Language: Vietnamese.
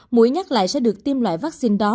mũi nhắc lại sẽ được tiêm loại vaccine đó